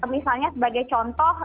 misalnya sebagai contoh